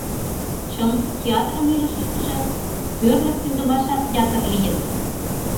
Чын, театрын илышыштыже тӧрлӧ кӱлдымашат ятыр лийын...